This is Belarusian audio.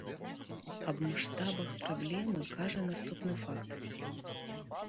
Аб маштабах праблемы кажа наступны факт.